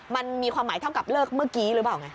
มันมีความหมายเท่ากับเลิกเมื่อกี้หรือเปล่าไง